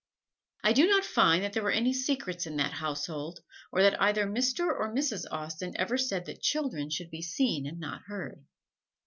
I do not find that there were any secrets in that household or that either Mr. or Mrs. Austen ever said that children should be seen and not heard.